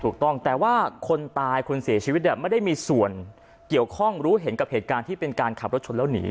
ถูกต้องแต่ว่าคนตายคนเสียชีวิตไม่ได้มีส่วนเกี่ยวข้องรู้เห็นกับเหตุการณ์ที่เป็นการขับรถชนแล้วหนี